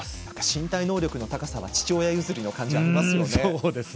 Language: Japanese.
身体能力の高さは父親譲りの感じがありますよね。